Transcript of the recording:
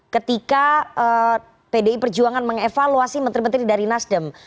ketika pdi perjuangan mengevaluasi menteri menteri dari nasdem